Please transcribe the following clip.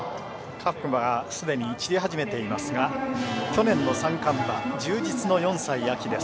各馬、すでに散り始めていますが去年の三冠馬充実の４歳、秋です。